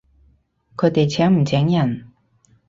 佢哋請唔請人？